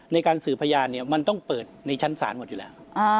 ในการสื่อพยานเนี่ยมันต้องเปิดในชั้นศาลหมดอยู่แล้ว